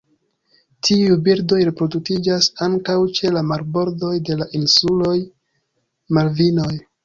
Tiuj birdoj reproduktiĝas ankaŭ ĉe la marbordoj de la insuloj Malvinoj.